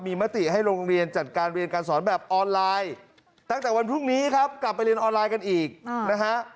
มีมติให้โรงเรียนจัดการเรียนการสอนแบบออนไลน์ตั้งแต่วันพรุ่งนี้ครับกลับไปเรียนออนไลน์กันอีกนะฮะ